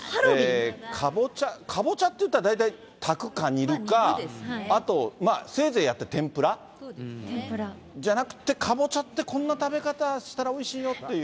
かぼちゃ、かぼちゃっていったら、大体たくか煮るか、あと、せいぜいやって天ぷら？じゃなくって、かぼちゃって、こんな食べ方したらおいしいよっていう。